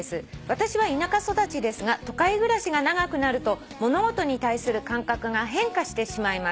「私は田舎育ちですが都会暮らしが長くなると物事に対する感覚が変化してしまいます」